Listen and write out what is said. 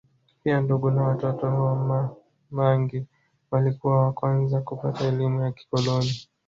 Pia ndugu na watoto wa Ma mangi walikuwa wa kwanza kupata elimu ya kikoloni